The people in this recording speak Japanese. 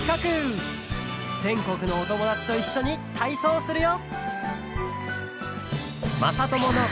ぜんこくのおともだちといっしょにたいそうするよ！